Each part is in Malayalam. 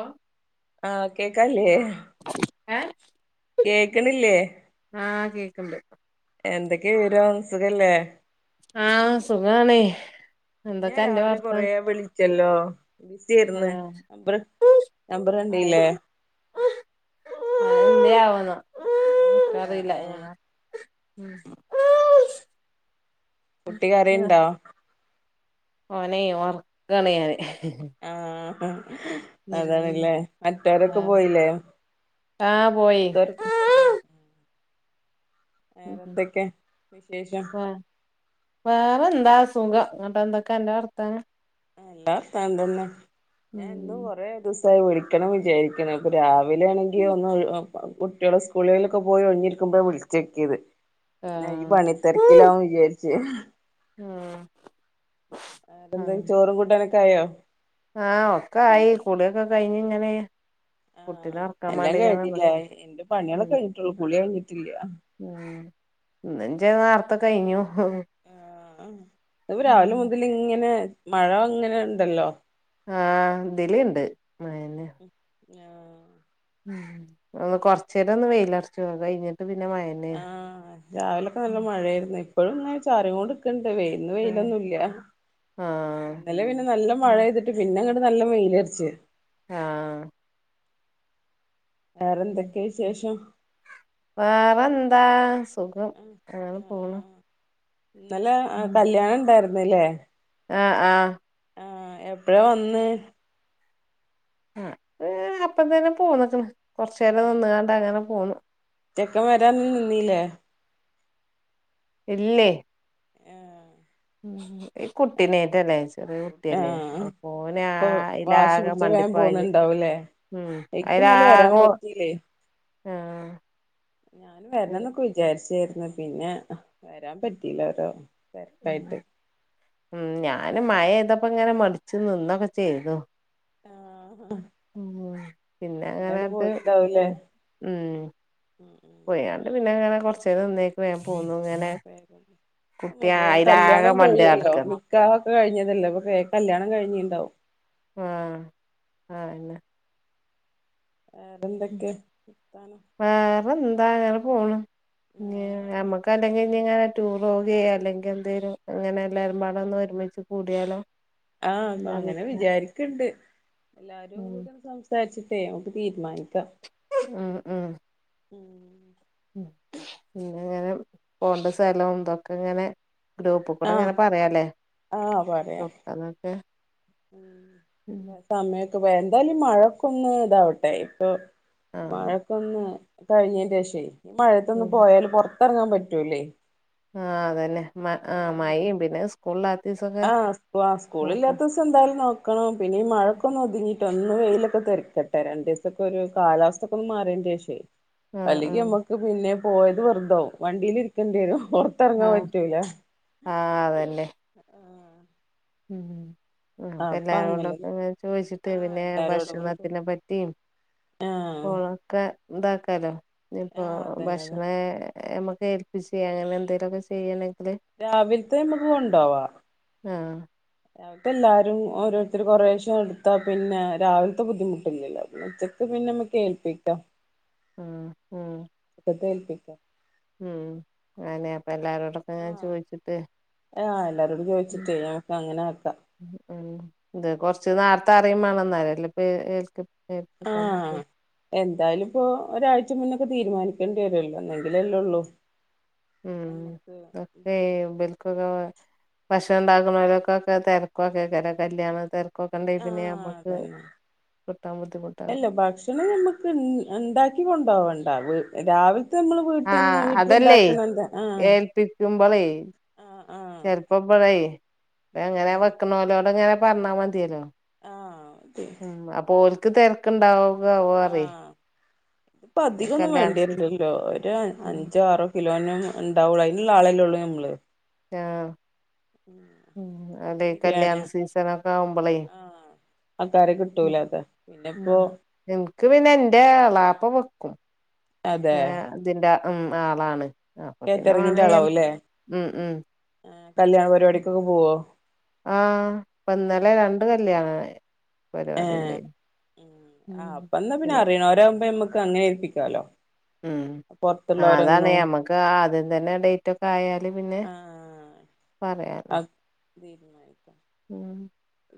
ഏ ആ കേക്കാല്ലേ ഏ കേക്ക്ണില്ലേ ആഹ് കേക്ക്ണ്ട് എന്തേക്കെ വിവരം സുഖല്ലേ ആഹ് സുഖാണ് ഞാൻ രാവിലെ കൊറേ വിളിച്ചല്ലോ ബിസി ആയിര്ന്ന് ആഹ് നമ്പറ് കണ്ടീല്ലേ എന്തേ ആവോ ന്നാ ആഹ് അറീല ആഹ് ഉം കുട്ടി കരയീണ്ടോ ഓനെ ഒർക്കാണ് ഞാന് ആഹ് ഉം അതാണല്ലേ മറ്റൊരൊക്ക ആഹ് പോയില്ലേ ആഹ് പോയി മൂത്തരൊക്കെ ഉം ഉം ഉം വേറെന്തൊക്കെ വിശേഷം വ വേറ എന്താ സുഖം ഇന്നട്ട് എന്തേക്കെ അന്റെ വർത്താനം നല്ല വർത്താനം തന്നെ ഞാൻ ഇന്ന് ഉം കൊറെ ദിവസായി വിളിക്കണം വിചാരിക്ക്ണ് ഇപ്പ രാവിലെ ആണെങ്കി ഒന്ന് കുട്ടിയളെ സ് കൂളിൾലൊക്കെ പോയി ഒഴിഞ്ഞിരിക്കുമ്പഴ വിൾചെക്കിയത് പിന്നെ ഇയ്യ് ആഹ് പണി തെര്ക്കിലാവും വിചാര്ച്ച് ആഹ് വേറെ എന്താ ചോറും കൂട്ടാനൊക്കെ ആയോ ആ ഒക്കെ ആയി കുളിയോക്കെ കഴിഞ് ഇങ്ങനെ കുട്ടിനെ ആഹ് ഒറക്കാൻ എല്ലാം മാണ്ടി ഇങ്ങനെ കഴിഞ്ഞിലെ നിക്കാ ഇന്റെ പണിയള് ഉം ഒക്ക കഴിഞ്ഞിട്ടോള്ളൂ കുളി കഴിഞ്ഞിട്ടില്ല ഉം ഇന്ന് ഇന്റെ നേർത്തെ കഴിഞ്ഞു ആഹ് ഇപ്പ രാവിലെ മുതല് ഇങ്ങനെ മഴ ഇങ്ങനെ ഇണ്ടല്ലോ ആഹ് ഇതിലിണ്ട് മഴന്നെ ആഹ് ഉം. ഒന്ന് കൊറചേരം ന്ന് വെയിലർച്ചു കഴിഞ്ഞിട്ട് പിന്നെ മയന്നെ ആഹ് രാവിലൊക്കെ നല്ല മഴയാര്ന്നു. ഇപ്പോഴും ങ്ങ ചാറി കൊണ്ട് ക്കണ്ട്. വേ ഇന്ന് വെയിലൊന്നും ല്യ. ആഹ് ഇന്നലെ പിന്നെ നല്ല മഴെയ്തിട്ട് പിന്നെ ങ്ങട്ട് നല്ല മെയിലരച്ച്. ആഹ്! വേറെ ന്തൊക്കെ വിശേഷം? വേറെന്താ. സുഖം. അങ്ങനെ പോണ്. ന്നലെ ആഹ് കല്യാണ ണ്ടാര്ന്ന് ലെ? ആഹ്! ആഹ്! ആഹ്! എപ്പഴാ വന്ന്? അഹ് ഹെ അപ്പ തന്നെ പോന്ന്ക്ണ്. കൊർചേരം ആഹ് നിന്നുകാണ്ട് അങ്ങനെ പോന്ന്. ചെക്കൻ വരാൻ നിന്നീല്ലേ? ഇല്യേയ്. ഏഹ്! ഈ കുട്ടിനേറ്റല്ലേ. ചെറീ കുട്ട്യല്ലേ. ആഹ് അപ്പ ഓനെ അപ്പൊ ആഹ് വാശി ല്ലാരും പിടിച്ച് വേം മണ്ടിപ്പായല്. പോന്നുണ്ടാവൂലേ ഉം ഇക്ക് അയില് ഇന്നലെ വരാൻ ആകോ പറ്റീല്ലേ ആഹ്! ഞാൻ ശരി വേരണംന്നെക്കെ വി ചാരിച്ചാരുന്നു. പിന്നെ വരാൻ പറ്റില്ല. ഓരോ തെരക്കയിട്ട്. ഉം ഞാനും മഴയ്തപ്പോ ങ്ങനെ മടിച്ചു നിന്നൊക്കെ ചെയ്തു. ആഹ് ആഹ് ഉം പിന്നെ ങ്ങനാണ്ട് പൊ പോയിണ്ടാവൂലേ ഉം ഉം ഉം പോയാണ്ട് പിന്നെ ങ്ങനെ കൊർച്ചേരം നിന്നേക്ക് വേ പോന്നു. ങ്ങനെ വേം പൊന്നു. വേം കല്യാണം മണ്ട് കഴിയല്ലോ. നടക്കാണ് നിക്കാഹോക്കെ കഴിഞ്ഞതല്ലോ. പ്പൊ വേം കല്യാനൊക്കെ കഴിഞ്ഞിണ്ടാവും. ആഹ്! ആന്നെ. വേറൊന്തെക്കെ വർത്താനം. വേറെന്താ. ങ്ങന പോണ്. പിന്നെ നമ്മുക്കല്ലെങ്കി ആഹ് ഇങ്ങനെ റ്റൂറൊവുകയൊ അല്ലെങ്കി ന്തേലും അങ്ങനെ എല്ലാവരും പാടൊന്നും ഒരുമിച്ച് കൂടിയാലോ? ആഹ് എന്താ അങ്ങനെ അഭിപ്രായം വിചാരിക്ണ്ട്. എല്ലാരും ഉം കൂട വിസാരിച്ചിട്ടേ നമുക്ക് തീരുമാനിക്കാം. ആഹ്! ആഹ്! ഉം ഉ പിന്ന ങ്ങനെ പോണ്ട സലം ന്തൊക്കെ ങ്ങനെ ഗ്രൂപ്പ് കൂടെ ആഹ് ങ്ങനെ പറയാ ലേ. നോക്കാന്നക്കെ ഉം സമയോക്കെ വെ ന്താലും മഴക്കൊന്ന് താവട്ടെ. ഇപ്പൊ ആഹ് മഴക്കൊന്ന് കഴിഞ്ഞെന്റെ ഷേ ഈ മഴേത്തൊന്ന് ഉം പോയാല് പൊർത്തറങ്ങാൻ പറ്റൂല്ലേ. ആഹ് അതന്നെ. മ ആഹ് മയെം പിന്നെ സ്കൂളില്ലാത്തീസൊക്കെ നോക്കാ. ഒരുദീസം ന്തായാലും നോക്കണം. പിന്നെ ഈ മഴക്കൊന്ന് ഒതുങ്ങിട് ട്ടൊന്ന് വെയിലൊക്കെ തെറിക്കട്ടെ. രണ്ടീസൊക്കെരു കാലാവസ്ഥക്കൊന്ന് മാറിന്റെ ഷേ ആഹ് അല്ലെങ്കി ആഹ് നമ്മക്ക് പിന്നെ പോയത് വെറുതാവും. വണ്ടിലിരിക്കേണ്ടി വരും. പൊർ ത്തെറങ്ങാൻ ആഹ് പറ്റൂല. ആഹ്! അതന്നെ. ആഹ് ഉം ആഹ് അപ്പൊ എല്ലാരോടൊക്കെ ഒന്ന് ചോദിച്ചിട്ട് ആഹ് പിന്നെ എല്ലാരോടും കൂടി ഭക്ഷണത്തിനെ പറ്റിം ആഹ് ക്കെ ഇതാക്കാലോ ഇനിപ്പോ ആഹ് അതന്നെ അതെ ഭക്ഷണേ ഏഹ് നമുക്ക് ഏൽപ്പിച്ചെ അങ്ങനെ എന്തേലൊക്കെ ചെയ്യണെ രാവില്ത്തെ നമ്മക്ക് കൊണ്ടോവാ ആഹ് രാവിലത്തെ എല്ലാരും ഓരോരുത്തര് കൊറേശേ എടുത്താ പിന്നെ രാവില്ത്തെ ബുദ്ധിമുട്ടില്ലല്ലോ പിന്നെ ഉച്ചക് ക്ക് പിന്നെ നമ്മക്ക് ഏൽപ്പിക്കാം. ഉം ഉം അതേൽപ്പിക്കാം ഉം അതന്നെ അപ്പൊ എല്ലാരോടും ആഹ് ആഹ് എല്ലാരോടും ചോയിച്ചിട്ടേ ഞമക്ക് അങ്ങനെ ആക്കാം. ഉം ഇത് കൊറ്ച്ച് നേരത്തെ അറിയും വേണം എന്നാലല്ലേ ഇപ്പം ഏ ഏൽകി ഏൽപ്പിക്കാൻ പറ്റു ആഹ് എന്തായാലും ഇപ്പോ ഒരാഴ്ച മുന്നൊക്കെ തീരുമാനിക്കേണ്ടി വരുല്ലോ എന്നെങ്കിലല്ലേ ഒള്ളൂ ഉം ഒക്കെ ഏയോ ഒമ്പ കൊറവാ ഭക്ഷണം ഉണ്ടാക്ക്ണോലൊക്കൊക്കെ തിരക്കൊക്കേക്കാലരം കല്യാണം തിരക് കൊക്കണ്ടേ പിന്നെ ആഹ് ഞമ്മക്ക് അതന്നെ കിട്ടാൻ ബുദ്ധിമുട്ടാവും ഇന്നാ ഞമ്മക്ക് ഇൺ ഇണ്ടാക്കി കൊണ്ടോവണ്ടാ രാവിൽ ത്തെ നമ്മള് വീട്ടിന്ന് വീട്ടിലുണ്ടാക്കണെന്താ ആഹ് പിക്കുംമ്പറേ ആഹ് ആഹ് ചെലപ്പം ഇബളേ ഉം എങ്ങനെ ഉം വെക്ക്ണോലോട്ങ്ങനെ പറഞ്ഞാ മതിയേല്ലോ ആഹ് അതെ ഉം അപ്പൊ ഓല്ക്ക് തിരക്കുണ്ടാവുകോ ആവോ അവും അറീ ഇപ്പൊ അധികൊന്നും സീസ വേണ്ടിവരില്ലല്ലോ ഒരു അഞ്ചോ ആറോ കിലോനും ഉണ്ടാവൊള്ളൂ അതിനുള്ള ആളേ ഉള്ളൂ ഞമ്മള് ആഹ് ഉം അതെ കല്യാണ ബിരിയാണി സീസണൊക്കെ ആവുമ്പളേ ആക്കാര കിട്ടൂലാക്കാ പിന്നെ ഇപ്പോ ഞങ്ങക്ക് പിന്നെ എന്റെ എളാപ്പ വെക്കും. അതെ അതിന്റെ ഉം ആളാണ് അപ്പൊ പിന്നെ കേറ്ററിങ്ങിന്റെ വേണേ നമ്മക്ക് ആളാവുംല്ലേ ഉം ഉം കല്യാണ പരിപാടിക്കൊക്കെ പോവോ? ആഹ് ഇപ്പൊ ഇന്നലെ രണ്ട് കല്യാണ പരിപാടി ഏഹ് ഉണ്ടായ്നു. ഉം ആഹ് അപ്പൊ എന്നാ പിന്നെ അറിണോലാവുമ്പം നമ്മക്ക് അങ്ങനെ ഏൽപ്പിക്കാലോ. ഉം ആഹ് അതാണ് പുറത്തുള്ളവരൊന്നും ഞമ്മക്ക് ആ ആദ്യം തന്നെ ഡേറ്റ് ഒക്കെ ആയാല് പിന്നെ ആഹ് പറയാലോ അത് തീരുമാനിക്കാം ഉം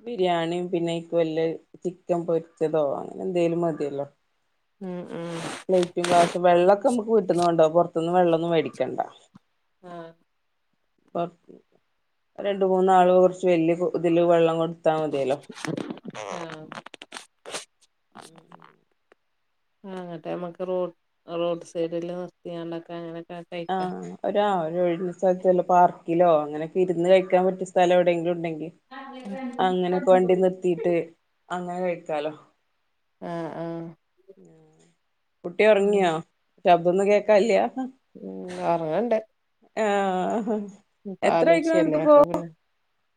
ബിരിയാണിം പിന്നൈക്ക് വല്ല ചിക്കൻ പൊരിച്ചതോ അങ്ങനെ എന്തേലും മതിയല്ലോ. ഉം ഉം പ്ലേറ്റും ഗ്ലാസും വെള്ളൊക്കെ നമ്മക്ക് വീട്ടിന്ന് കൊണ്ടോവാ പുറത്തിന്ന് വെള്ളൊന്നും മേടിക്കണ്ട. ആഹ് ഇപ്പം അത് രണ്ട് മൂന്നാള് കുറച്ച് വലിയ ഇതില് വെള്ളം കൊടുത്താൽ മതിയല്ലോ. ആഹ് [inaudible] ആ എന്നിട്ട് നമ്മക്ക് റോഡ് റോഡ് സൈഡിൽ നിർത്തിയാണ്ടൊക്കെ അങ്ങനൊക്കെ ആഹ് ഒരാ ഒഴിഞ്ഞ സ്ഥലത്തുള്ള പാർക്കിലോ അങ്ങനൊക്കെ ഇരുന്ന് കഴിക്കാൻ പറ്റിയ സ്ഥലം എവിടെങ്കിലും ഉണ്ടെങ്കിൽ അങ്ങനൊക്കെ വണ്ടി നിർത്തിട്ട് അങ്ങനെ കഴിക്കാലോ ആ ആ കുട്ടി ഉം ഉറങ്ങിയോ ശബ്ദൊന്നും കേക്കാല്യ ഉം ഒറങ്ങണ്ടേ ആ പാലുക്ഷയല്ലേ അപ്പൊ പിന്നെ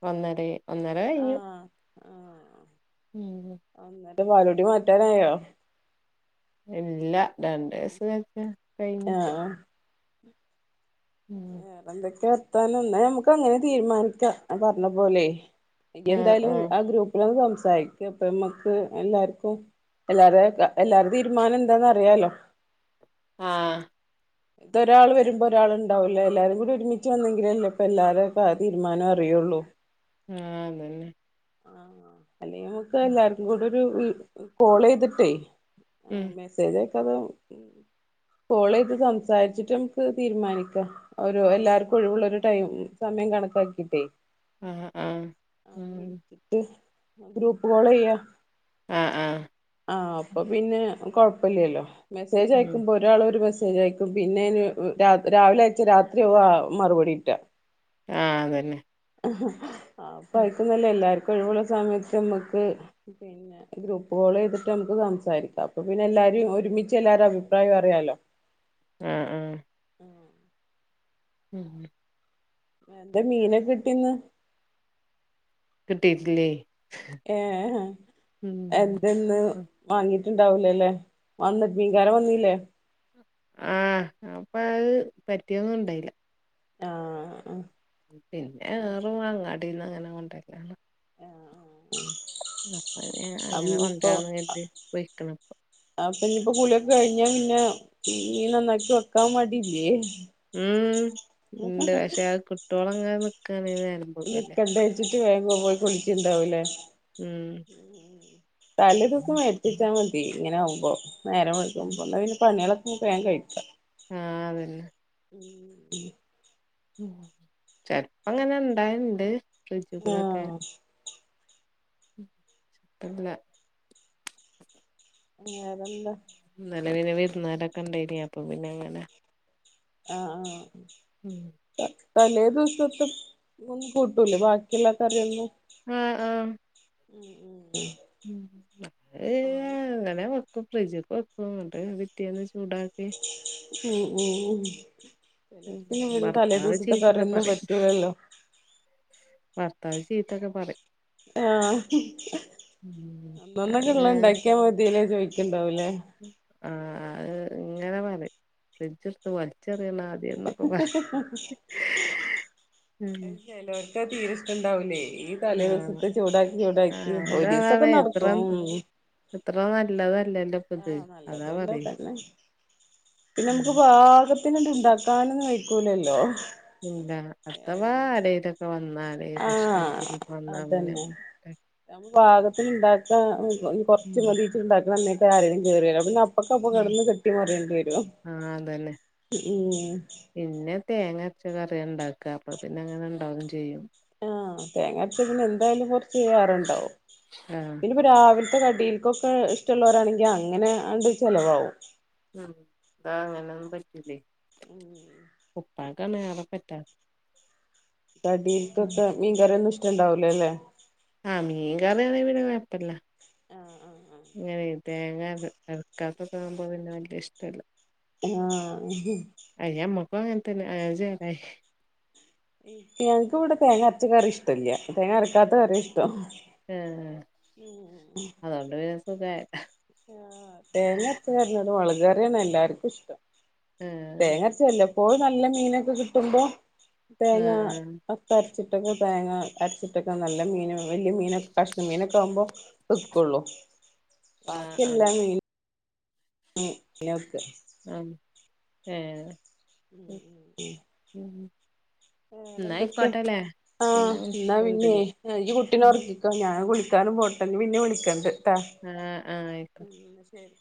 വന്നതെ ഒന്നര കഴിഞ്ഞു ആഹ് ആഹ് ഉം എന്നിട്ട് പാലൂടി മാറ്റാനായോ ഇല്ല രണ്ട് വയസ് കഴിഞ്ഞിട്ട് ഉം വേറെ എന്തൊക്കെ വർത്താനം എന്നേ നമക്ക് അങ്ങനെ തീരുമാനിക്കാം പറഞ്ഞ പോലെ എനി ആഹ് എന്തായാലും ആഹ് ആ ഗ്രൂപ്പിലൊന്ന് സംസാരിക്ക് അപ്പം നമ്മക്ക് എല്ലാർക്കും എല്ലാരെ എല്ലാരുടെ തീരുമാനം എന്താന്ന് അറിയാലോ ആ ഇത് ഒരാള് വരുമ്പോ ഒരാള് ഉണ്ടാവൂല്ല എല്ലാരും കൂടി ഒരുമിച്ച് വന്നെങ്കിലല്ലേ ഇപ്പൊ എല്ലാരുടെ തീരുമാനം അറിയുള്ളൂ ആ അതന്നെ ആ അല്ലെ നമുക്ക് എല്ലാർക്കും കൂടെ ഒരു കോൾ ചെയ്തിട്ടേ ഉം ആഹ് മെസ്സേജ് ഒക്കെ അതോ കോൾ ചെയ്ത് സംസാരിച്ചിട്ട് നമുക്ക് തീരുമാനിക്കാം ഒരു എല്ലാർക്കും ഒഴിവുള്ള ഒരു ടൈം സമയം കണക്കാക്കിട്ടേ ആ ആ ആ വിളിച്ചിട്ട് ഗ്രൂപ്പ് കോള് ചെയ്യാം ആ ആ ആ അപ്പൊ പിന്നെ കുഴപ്പില്ലല്ലോ മെസ്സേജ് ഉം അയക്കുമ്പോ ഒരാള് ഒരു മെസ്സേജ് ആയക്കും പിന്നെ രാവിലെ അയച്ച രാത്രിയാ മറുപടി ഇല്ല ആ അതന്നെ ആപ്പയിക്കുന്നല്ലേ എല്ലാർക്കും ഒഴിവുള്ള സമയത്ത് നമ്മക്ക് പിന്നെ ഗ്രൂപ്പ് കോള് ചെയ്തിട്ട് നമുക്ക് സംസാരിക്കാം അപ്പൊ പിന്നെ എല്ലാരും ഒരുമിച്ച് എല്ലാരും അഭിപ്രായം അറിയാലോ ആ ആ ഉം എന്താ മീനൊക്കെ കിട്ടീന്ന് കിട്ടിട്ടില്ലേ ഏ ഉം എന്തെന്ന് വാങ്ങീട്ടുണ്ടാവൂലേ അല്ലേ വന്ന് മീൻകാരൻ വന്നീല്ലേ ആ അപ്പൊ അത് പറ്റിയൊന്നും ഇണ്ടായില്ല ആ പിന്നെ ഏറു അങ്ങാടിന്ന് അങ്ങനെ കൊണ്ടരലാണ് ആഹ് അ അം അങ്ങനെ കൊണ്ടരാന്ന് പറഞ്ഞിട്ട് പോയിക്ക്ണ് ഇപ്പം ആ പിന്നീപ്പോ കൂളിയൊക്കെ കഴിഞ്ഞാ പിന്നെ മീൻ നന്നാക്കി വെക്കാൻ മടിയില്ലേ ഉം ഉണ്ട് പക്ഷെ കിട്ടോകോളങ്ങ് നിക്കാണ് വേഗം നിക്കണ്ട വെച്ചിട്ട് വേഗങ്ങ് പോയി കുളിച്ചുണ്ടാവൂല്ലേ ഉം ഉം തല്ലേ ദിവസം വരുത്തിച്ചാ മതി ഇങ്ങനെ ആകുമ്പോ നേരെം വെളുക്കുമ്പോ കൊണ്ടേ പിന്നെ പണികളക്കെ വേഗം കഴിക്കാം ആ അതന്നെ [inaudible] ഉം. ചെലപ്പങ്ങനെ ഇണ്ടായേണ്ട് ഫ്രിഡ്ജ് ഉം കൂടൊക്കെ. ആഹ് ഉം. ഇപ്പെല്ല. വേറെന്താ? ഇന്നലെ പിന്നെ വിര്ന്നാരൊക്കെ ഇണ്ടായിനി അപ്പൊ പിന്നെ അങ്ങനെ. ആഹ് ആഹ്. ഉം. ത തലേ ദിവസത്തെ ഒന്നും കൂട്ടൂലേ ബാക്കിയുള്ളാ കറിയൊന്നും. ആഹ് ആഹ്. ഉം ഉം ഉം. ഉം അഹ് ആഹ് ഏഹ് ഇങ്ങനെ വെ ക്കും. ഫ്രിഡ്ജ്ക്ക് വെക്കും ഇന്നട്ട് പിറ്റേന്ന് ചൂടാക്കി ഉം ഊം. ഉം [unintelligible] തലേ ഭർത്താവ് ദിവസത്തെ ചീത്തൊക്കെ കറിയൊന്നും പറയും പറ്റൂലല്ലോ. ഭർത്താവ് ചീത്തൊക്കെ പറയും. ആഹ്. ഉം. അന്നന്നക്ക് അങ്ങനെ ഇള്ളത് ഇണ്ടാക്കിയാ മതീലേ ചോയിക്ക്ണ്ടാവൂലേ. ആന് അത് ഇങ്ങനെ പറയും. ഫ്രിഡ്ജ് ഇട്ത്ത് വലിച്ചെറ്യണാ ദ്യം ന്നൊക്കെ പറയും ഉം. ചെലോര്ക്കത് തീരെ ഇഷ്ടണ്ടാവൂലേ, ഈ തല ആഹ് ദിവസത്തെ ചൂടാക്കി ചൂടാക്കി ആഹ് ഒരീസൊക്കെ നടക്കും. അത്ര നല്ലതല്ലല്ലോ. ഇത് ആഹ് അതാ നല്ലതു അല്ല പറയ് അതെന്നെ. പിന്നെ ഉം നമുക്ക് പാക ത്തിന്ണ്ട് ഇണ്ടാക്കാനൊന്നും വെയ്ക്കൂലല്ലോ. ഇല്ല അഥവാ ഏഹ് ആരേലൊ ക്കെ വന്നാലേ ഭക്ഷണത്തിനൊക്കെ വന്നാ പിന്നെ. ഒക്കെ നമ്മള് പാകത്തിനുണ്ടാക്കാ ഇഞ് കൊറച്ച് ഉം മതീ വെച്ച്ട്ട് ഇണ്ടാക്ക്ണ അന്നേക്കാരം ആരെങ്കിലും കേറി വരാ. പിന്നെ അ പ്പൊക്ക് അപ്പൊ ഉം കെടന്ന് കെട്ടി മറിയെണ്ട്യേരും ആഹ് അതന്നെ ഉം. പിന്നെ തേങ്ങ അര്ച്ച കറിയാ ഇണ്ടാക്കാ അപ്പൊ പിന്നെ അങ്ങനെ ഇണ്ടാവും ചെയ്യും. ആഹ് തേങ്ങ അര്ച്ചാ പിന്നെ എന്തായാലും കൊറച്ച് ഏറെണ്ടാവും. ആഹ് പിന്നെ രാവിലത്തെ കടീൽക്കൊക്കെ ഇഷ്ടള്ളോരാണെങ്കി അങ്ങനെ ആണ്ട് ചെലവാവും. ഉം. അതാ അങ്ങനൊന്നും പറ്റൂലേ. ഉംഉം. ഉപ്പാക്കാണ് ഏറെ പറ്റാ കടീൽക്കൊക്കെ മീൻകറിയൊന്നും ഇഷ്ടണ്ടാവൂല ല്ലേ. ആഹ് മീൻ കറിയാണെ പിന്നെ കൊഴപ്പെല്ല. ആഹ് ആഹ് ആഹ്. ഇങ്ങനെ തേങ്ങ അര് അരക്കാത്തൊക്കാവുമ്പോ പിന്നെ വല്യ ഇഷ്ടല്ല. ആഹ്. അത് ഞമ്മക്കും അങ്ങൻ തന്നെ. അങ്ങനെ ചേലായി. ഈ ഞങ്ങക്ക് ഇവടെ തേങ്ങ അരച്ച കറി ഇഷ്ടല്ല്യ തേങ്ങ അരക്കാത്ത കറിയാ ഇഷ്ടം. ഏഹ്. ഉം അതോണ്ട് പിന്നെ സുഖായല്ലൊ. ആഹ് തേങ്ങര്ച്ച കറിനോട് മുളക് കറിയാണ് എല്ലാർക്കും ഇഷ്ടം. ആഹ് തേങ്ങ അര ച്ച് വല്ലപ്പോഴും നല്ല മീനൊക്കെ കിട്ടുമ്പോ തേങ്ങാ ആഹ് ഇപ്പ അരച്ചിട്ടൊക്കെ തേങ്ങ അരച്ചിട്ടൊക്കെ നല്ല മീൻ വല്യ മീനൊക്കെ കഷ്ണ മീനൊക്കെ ആകുമ്പോ. വെക്കൊള്ളൂ. ആഹ് ബാക്കി എല്ലാ ആഹ് മീ ൻ ഇങ്ങനെ വെക്കാ. അം ഏഹ് ഉം ഉ ഉ ഉം ന്നാ വേറെന്തൊക്കെയാ ആയിക്കോട്ടെല്ലേ പിന്നെ ആഹ് എന്നാ വിളിക്കണ്ട് പിന്നേ എനിക്ക് കുട്ടിനെ ഇനി. ഒറക്കിക്കോ ഞാൻ കുളിക്കാനും പോട്ടെന്നെ പിന്നെ വിളിക്കണ്ട് ട്ടാ ആഹ് ആഹ് ആയിക്കോട്ടേ ഉം ശരി